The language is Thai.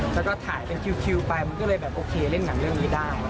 แล้วก็ถ่ายเป็นคิวไปมันก็เลยแบบโอเคเล่นหนังเรื่องนี้ได้